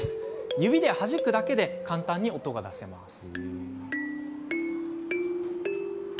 指ではじくだけで簡単に音が出るんですね。